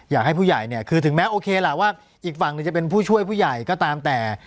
อยากให้ผู้ใหญ่เนี่ยคือถึงแม้โอเคล่ะว่าอีกฝั่งหนึ่งจะเป็นผู้ช่วยผู้ใหญ่ก็ตามแต่